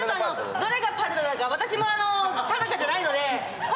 どれがパルダか私も定かじゃないので。